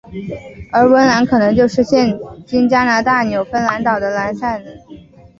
而文兰可能就是现今加拿大纽芬兰岛的兰塞奥兹牧草地。